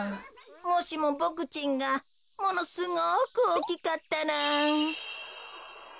もしもボクちんがものすごくおおきかったら。